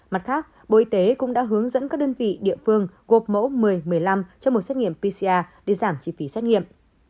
mặt khác bộ y tế cũng đã hướng dẫn các đơn vị địa phương gộp mẫu một mươi một mươi năm cho một xét nghiệm pcr để giảm chi phí xét nghiệm